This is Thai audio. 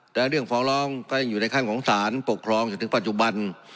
แล้วเรื่องฟ้องร้องก็ยังอยู่ในขั้นของสารปกครองจนถึงปัจจุบัน